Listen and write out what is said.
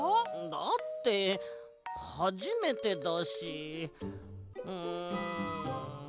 だってはじめてだしん。